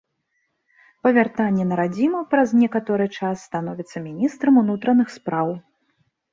Па вяртанні на радзіму праз некаторы час становіцца міністрам унутраных спраў.